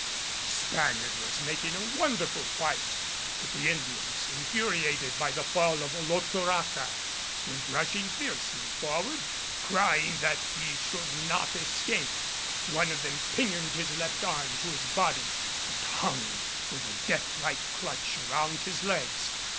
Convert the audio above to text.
The Spaniard was making a wonderful fight, but the Indians, infuriated by the fall of Olotoraca, went rushing fiercely forward crying that he should not escape. One of them pinioned his left arm to his body, and hung with a death like clutch around his legs.